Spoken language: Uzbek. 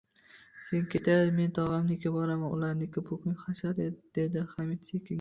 Sen ketaver, men tog‘amnikiga boraman, ularnikida bugun hashar, dedi Hamid sekingina